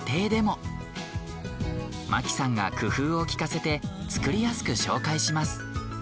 マキさんが工夫をきかせて作りやすく紹介します。